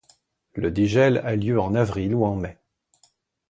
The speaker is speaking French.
Le dégel a lieu en avril ou en mai.